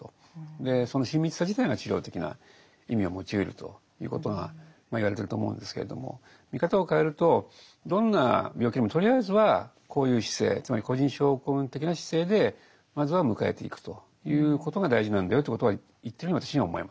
でその親密さ自体が治療的な意味を持ちうるということが言われてると思うんですけれども見方を変えるとどんな病気でもとりあえずはこういう姿勢つまり個人症候群的な姿勢でまずは迎えていくということが大事なんだよということを言ってるように私には思えます。